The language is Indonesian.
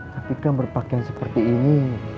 tapi kan berpakaian seperti ini